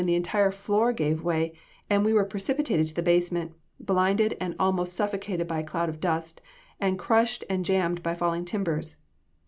] the entire floor gave way, and we were precipitated to the basement, blinded and almost suffocated by a cloud of dust, and crushed and jammed by falling timbers.